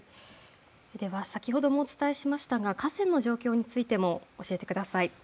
先ほどもお伝えしましたが河川の状況についても教えてください。